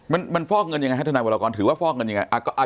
มันมันฟอกเงินยังไงฮะถือว่าฟอกเงินยังไงอ่าอ่า